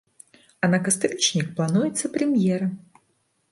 А на кастрычнік плануецца прэм'ера.